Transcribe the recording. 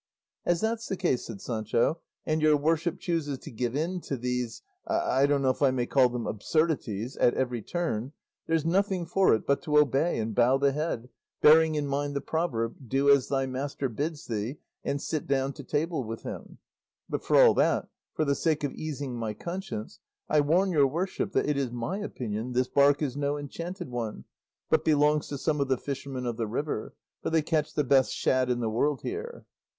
"As that's the case," said Sancho, "and your worship chooses to give in to these I don't know if I may call them absurdities at every turn, there's nothing for it but to obey and bow the head, bearing in mind the proverb, 'Do as thy master bids thee, and sit down to table with him;' but for all that, for the sake of easing my conscience, I warn your worship that it is my opinion this bark is no enchanted one, but belongs to some of the fishermen of the river, for they catch the best shad in the world here."